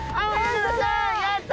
やった！